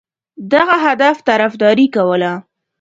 دغه هدف طرفداري کوله.